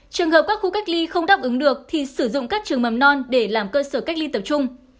trường hợp các khu cách ly không đáp ứng được thì sử dụng các trường mầm non để làm cơ sở cách ly tập trung